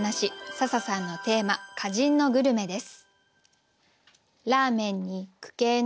笹さんのテーマ「歌人のグルメ」です。